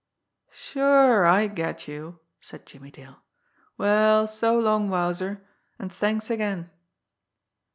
"Sure I get you," said Jimmie Dale. "Well, so long, Wowzer and thanks again."